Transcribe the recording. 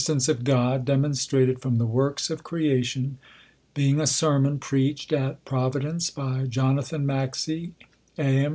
vcE of God, demonstrated from the Works or Creation ; eeing a Sermon preached AT Providence, by Jonathan Maxcy, a. m.